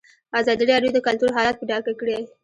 ازادي راډیو د کلتور حالت په ډاګه کړی.